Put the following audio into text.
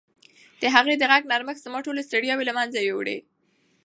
د هغې د غږ نرمښت زما ټولې ستړیاوې له منځه یووړې.